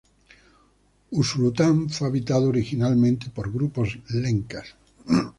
Usulután fue habitado originalmente por grupos lencas.